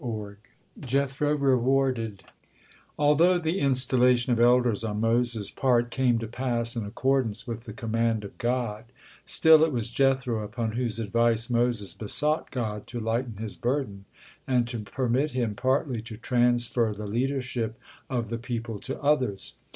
JETHRO REWARDED Although the installation of elders on Moses' part came to pass in accordance with the command of God, still it was Jethro upon whose advice Moses besought God to lighten his burden, and to permit him partly to transfer the leadership of the people to others.